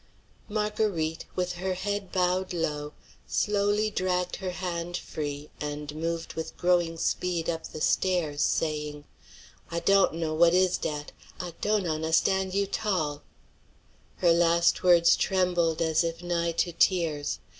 Marguerite, with her head bowed low, slowly dragged her hand free, and moved with growing speed up the stairs, saying: "I dawn't know what is dat. I dawn't awnstan you 't all." Her last words trembled as if nigh to tears.